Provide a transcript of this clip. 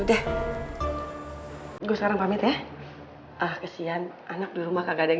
desaka mer studio siakan